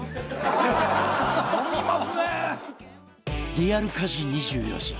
リアル家事２４時